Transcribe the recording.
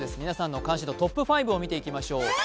皆さんの関心度トップ５を見ていきましょう。